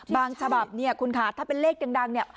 บางสภาพคุณค่ะถ้าเป็นเลขดังนี่